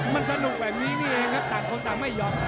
มันสนุกแบบนี้นี่เองครับต่างคนต่างไม่ยอม